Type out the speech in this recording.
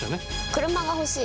車が欲しい。